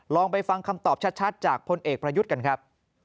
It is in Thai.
ลองไปฟังคำตอบชัดจากพลเอกประยุทธ์กันครับ